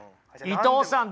伊藤さん